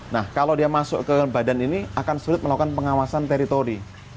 nah kalau dia masuk ke badan ini akan sulit melakukan pengawasan teritori